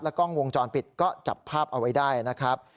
กล้องวงจรปิดก็จับภาพเอาไว้ได้นะครับ